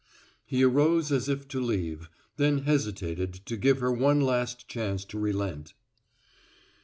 He arose as if to leave, then hesitated to give her one last chance to relent.